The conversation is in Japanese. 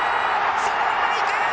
そのまま行く！